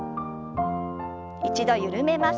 一度緩めます。